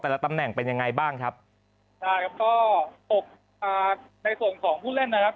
ตำแหน่งเป็นยังไงบ้างครับใช่ครับก็อกอ่าในส่วนของผู้เล่นนะครับ